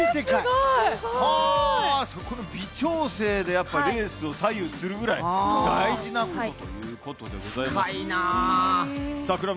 この微調整でレースを左右するぐらい大事なことということでございます。